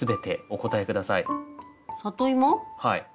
はい。